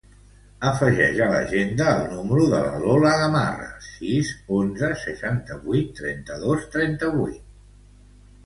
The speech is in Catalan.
Afegeix a l'agenda el número de la Lola Gamarra: sis, onze, seixanta-vuit, trenta-dos, trenta-vuit.